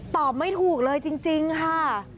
ตอบไม่ถูกเลยจริงค่ะ